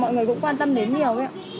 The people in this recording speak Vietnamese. mọi người cũng quan tâm đến nhiều đấy ạ